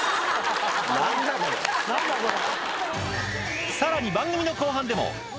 何だこれ。